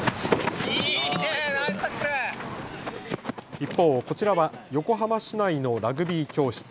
一方、こちらは横浜市内のラグビー教室。